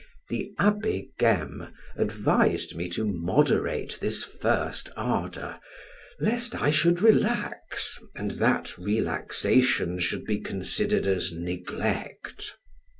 The Abby Gaime advised me to moderate this first ardor, lest I should relax, and that relaxation should be considered as neglect.